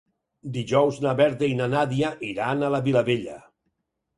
Dijous na Berta i na Nàdia iran a la Vilavella.